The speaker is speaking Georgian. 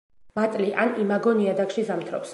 მატლი ან იმაგო ნიადაგში ზამთრობს.